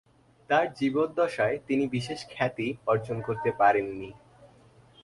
তার জীবদ্দশায় তিনি বিশেষ খ্যাতি অর্জন করতে পারেননি।